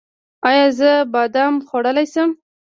ایا زه بادام خوړلی شم؟